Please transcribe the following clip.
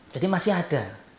jadi masih ada